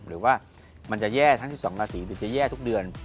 หรือว่ามันจะแย่ทั้ง๑๒ราศีหรือจะแย่ทุกเดือน